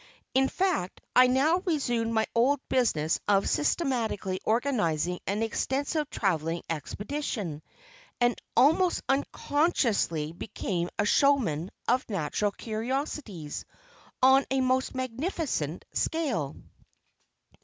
In fact, I now resumed my old business of systematically organizing an extensive travelling expedition, and, almost unconsciously, became a showman of "natural curiosities" on a most magnificent scale.